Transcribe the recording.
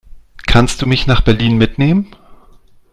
Kannst du mich nach Berlin mitnehmen?